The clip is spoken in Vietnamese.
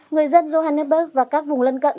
người dân johannesburg và các vùng lân cận